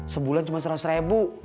sebulan cuma seratus ribu